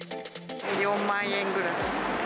４万円ぐらい。